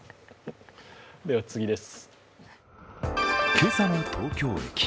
今朝の東京駅。